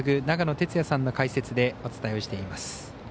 長野哲也さんの解説でお伝えをしています。